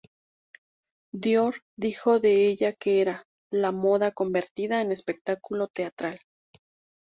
Dior dijo de ella que era “la moda convertida en espectáculo teatral.